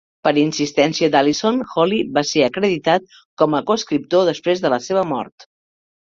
Per insistència d'Allison, Holly va ser acreditat com a coescriptor després de la seva mort.